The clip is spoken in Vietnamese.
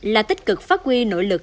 là tích cực phát huy nội lực